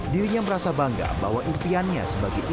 dirinya merasa bangga bahwa impiannya sebagai ibu